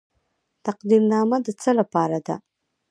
تقدیرنامه د څه لپاره ده؟